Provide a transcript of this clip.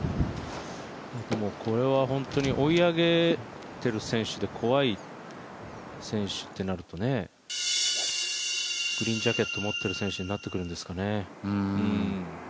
これは本当に追い上げてる選手で怖い選手となると、グリーンジャケットを持っている選手になってくるんですかね。